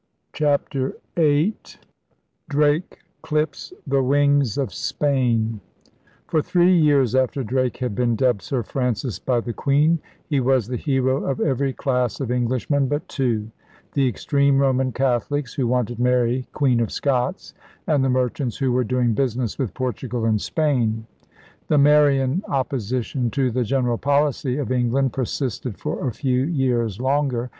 CHAPTER VIII DRAKE CLIPS THE WINGS OF SPAIN For three years after Drake had been dubbed Sir Francis by the Queen he was the hero of every class of Englishmen but two: the extreme Roman Catholics, who wanted Mary Queen of Scots, and the merchants who were doing business with Portugal and Spain. The Marian opposition to the general policy of England persisted for a few years longer.